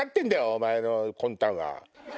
お前の魂胆は。